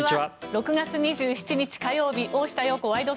６月２７日、火曜日「大下容子ワイド！